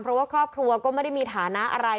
เพราะว่าครอบครัวก็ไม่ได้มีฐานะอะไร